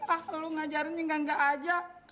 ah lo ngajarin yang enggak enggak aja